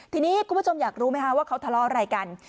ทีนี้คุณผู้ชมอยากรู้ไหมคะว่าเขาทะเลาะอะไรกัน